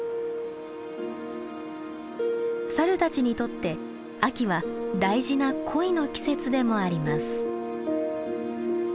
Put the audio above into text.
サルたちにとって秋は大事な恋の季節でもあります。